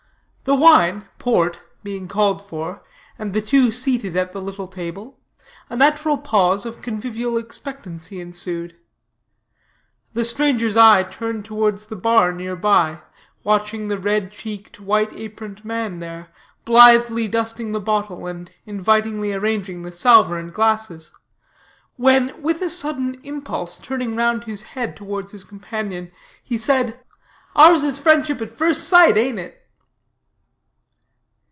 The wine, port, being called for, and the two seated at the little table, a natural pause of convivial expectancy ensued; the stranger's eye turned towards the bar near by, watching the red cheeked, white aproned man there, blithely dusting the bottle, and invitingly arranging the salver and glasses; when, with a sudden impulse turning round his head towards his companion, he said, "Ours is friendship at first sight, ain't it?"